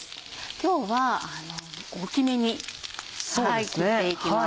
今日は大きめに切っていきます。